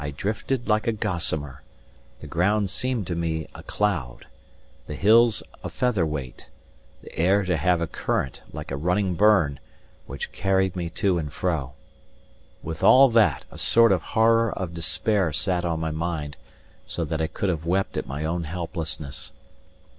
I drifted like a gossamer; the ground seemed to me a cloud, the hills a feather weight, the air to have a current, like a running burn, which carried me to and fro. With all that, a sort of horror of despair sat on my mind, so that I could have wept at my own helplessness.